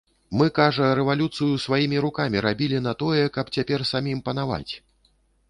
Мы, кажа, рэвалюцыю сваімі рукамі рабілі на тое, каб цяпер самім панаваць.